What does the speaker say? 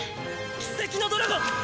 輝石のドラゴン！